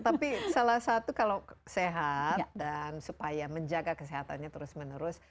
tapi salah satu kalau sehat dan supaya menjaga kesehatannya terus menerus